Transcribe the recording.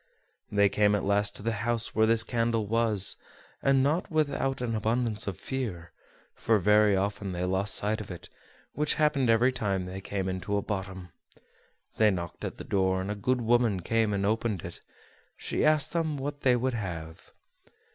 They came at last to the house where this candle was, not without an abundance of fear: for very often they lost sight of it, which happened every time they came into a bottom. They knocked at the door, and a good woman came and opened it; she asked them what they would have.